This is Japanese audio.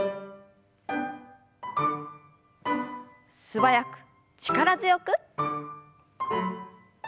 素早く力強く。